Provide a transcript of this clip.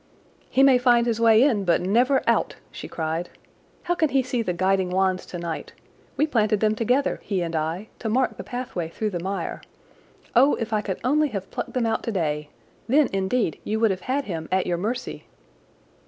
"He may find his way in, but never out," she cried. "How can he see the guiding wands tonight? We planted them together, he and I, to mark the pathway through the mire. Oh, if I could only have plucked them out today. Then indeed you would have had him at your mercy!"